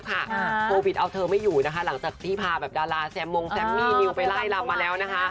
โพวิทเอาเธอไม่อยู่หลังจากที่พาแบบดาราแซมมงก์แซมมี่นิรินิ้วไปไล่เรามาแล้ว